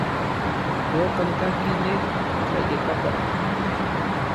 Teopan kajki nej tlayekapan.